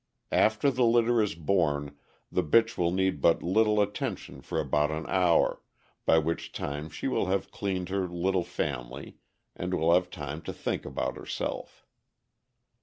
After the litter is born, the bitch will need but little attention for about an hour, by which time she will have cleaned her little family and will have time to think about herself.